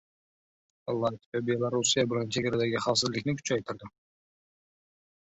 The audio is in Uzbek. Latviya Belorussiya bilan chegaradagi xavfsizlikni kuchaytirdi